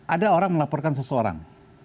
ada orang melaporkan seseorang